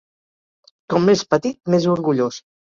Com més petit més orgullós.